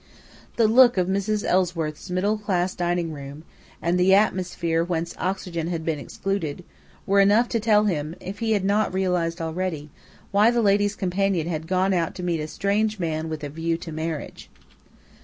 The look of Mrs. Ellsworth's middle class dining room, and the atmosphere whence oxygen had been excluded, were enough to tell him, if he had not realized already, why the lady's companion had gone out to meet a strange man "with a view to marriage."